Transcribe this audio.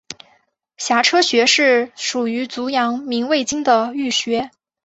颊车穴是属于足阳明胃经的腧穴。